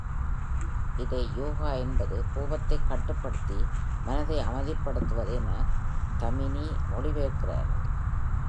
இதை "யோகா என்பது கோபத்தைக் கட்டுப்படுத்தி மனதை அமைதிப்படுத்துவது" என Taimni மொழிபெயர்க்கிறார்.